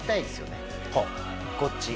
こっち。